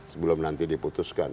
sebelum nanti diputuskan